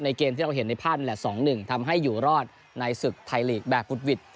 เกมที่เราเห็นในภาพนี่แหละ๒๑ทำให้อยู่รอดในศึกไทยลีกแบบบุดหวิด